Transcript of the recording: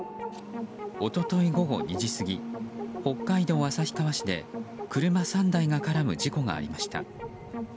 一昨日午後２時過ぎ北海道旭川市で車３台が絡む事故がありました。